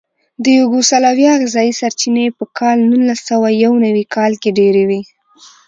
د یوګوسلاویا غذایي سرچینې په کال نولسسوهیونوي کال کې ډېرې وې.